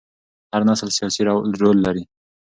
هر نسل سیاسي رول لري